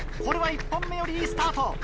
これは１本目よりいいスタート。